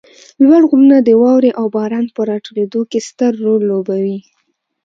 لوړ غرونه د واروې او باران په راټولېدو کې ستر رول لوبوي